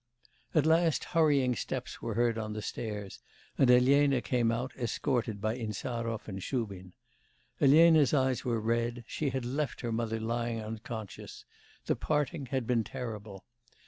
At last hurrying steps were heard on the stairs, and Elena came out escorted by Insarov and Shubin. Elena's eyes were red; she had left her mother lying unconscious; the parting had been terrible.